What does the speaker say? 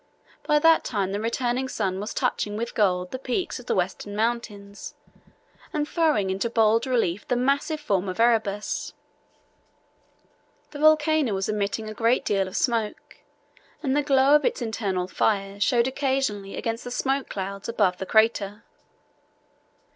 By that time the returning sun was touching with gold the peaks of the Western Mountains and throwing into bold relief the massive form of Erebus. The volcano was emitting a great deal of smoke, and the glow of its internal fires showed occasionally against the smoke clouds above the crater.